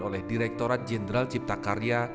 oleh direkturat jenderal cipta karya